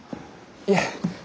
いえ。